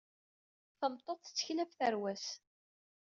Tameṭṭut tettkel ɣef tarwa-s.